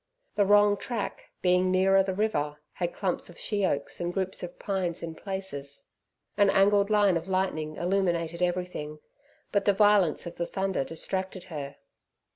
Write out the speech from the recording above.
The wrong track, being nearer the river, had clumps of sheoaks and groups of pines in places. An angled line of lightning illuminated everything, but the violence of the thunder distracted her.